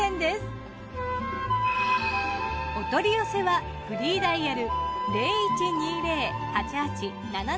お取り寄せはフリーダイヤル。